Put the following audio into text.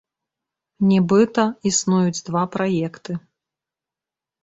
Нібыта, існуюць два праекты.